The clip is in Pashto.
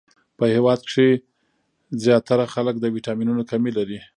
په هیواد کښی ځیاتره خلک د ويټامنونو کمې لری